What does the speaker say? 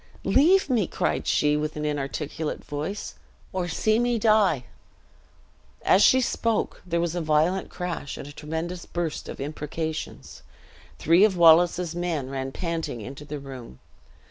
"Leave me," cried she, in an inarticulate voice, "or see me die." As she spoke, there was a violent crash, and a tremendous burst of imprecations. Three of Wallace's men ran panting into the room.